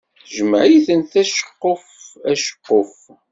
Tejmeɛ-iten-d aceqquf aceqquf.